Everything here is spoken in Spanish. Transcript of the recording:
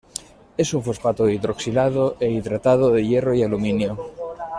Es un fosfato hidroxilado e hidratado de hierro y aluminio.